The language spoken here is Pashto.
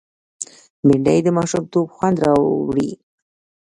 بېنډۍ د ماشومتوب خوند راوړي